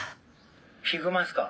「ヒグマですか？